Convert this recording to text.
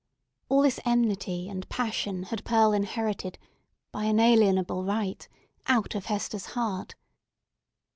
All this enmity and passion had Pearl inherited, by inalienable right, out of Hester's heart.